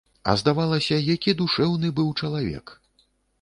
А здавалася, які душэўны быў чалавек!